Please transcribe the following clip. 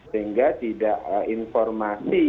sehingga tidak informasi yang ditutup